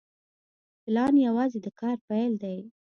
پلان یوازې د کار پیل دی